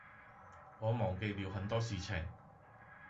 我忘記了很多事情